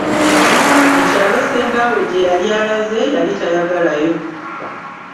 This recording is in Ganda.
Mu kyalo ssengaawe gye yali alaze yali tayagalayo.